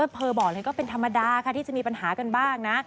เบอร์บอกเลยก็เป็นธรรมดาค่ะที่จะมีปัญหากันบ้างนะ